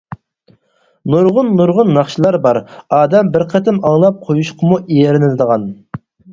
نۇرغۇن-نۇرغۇن ناخشىلار بار، ئادەم بىر قېتىم ئاڭلاپ قويۇشقىمۇ ئېرىنىدىغان.